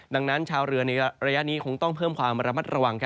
ดังนั้นชาวเรือในระยะนี้คงต้องเพิ่มความระมัดระวัง